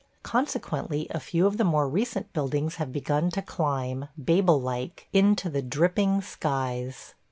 Consequently a few of the more recent buildings have begun to climb, Babel like, into the dripping skies.